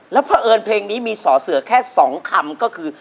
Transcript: เพราะเอิญเพลงนี้มีสอเสือแค่๒คำก็คือ